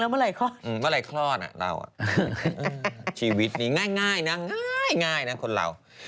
เมื่อไหร่คลอดเราชีวิตนี้ง่ายนะง่ายนะคนเรา